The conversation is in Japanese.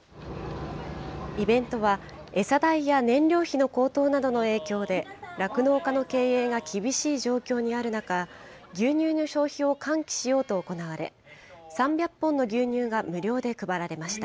イベントは、餌代や燃料費の高騰などの影響で、酪農家の経営が厳しい状況にある中、牛乳の消費を喚起しようと行われ、３００本の牛乳が無料で配られました。